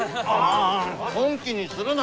ああ本気にするな！